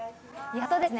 やっとですね。